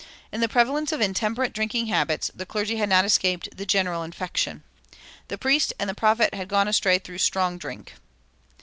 In the prevalence of intemperate drinking habits the clergy had not escaped the general infection. "The priest and the prophet had gone astray through strong drink."